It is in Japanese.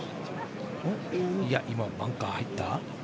今、バンカー入った？